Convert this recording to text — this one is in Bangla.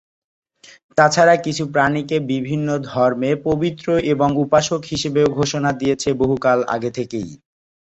তাছাড়া কিছু প্রাণীকে বিভিন্ন ধর্মে পবিত্র এবং উপাসক হিসাবেও ঘোষণা দিয়েছে বহুকাল আগে থেকেই।